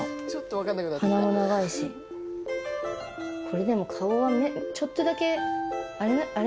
これでも顔はちょっとだけあれに似てる。